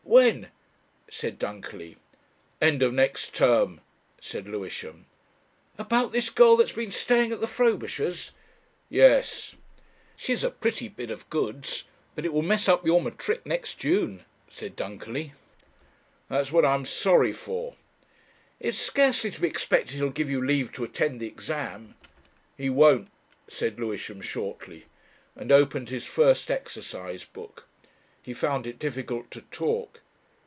"When?" said Dunkerley. "End of next term," said Lewisham. "About this girl that's been staying at the Frobishers?" "Yes." "She's a pretty bit of goods. But it will mess up your matric next June," said Dunkerley. "That's what I'm sorry for." "It's scarcely to be expected he'll give you leave to attend the exam...." "He won't," said Lewisham shortly, and opened his first exercise book. He found it difficult to talk.